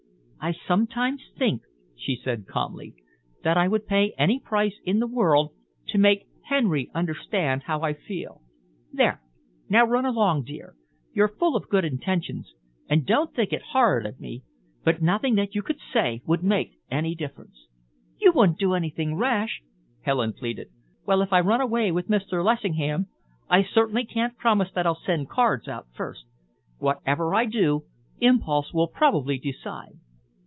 "I sometimes think," she said calmly, "that I would pay any price in the world to make Henry understand how I feel. There, now run along, dear. You're full of good intentions, and don't think it horrid of me, but nothing that you could say would make any difference." "You wouldn't do anything rash?" Helen pleaded. "Well, if I run away with Mr. Lessingham, I certainly can't promise that I'll send cards out first. Whatever I do, impulse will probably decide."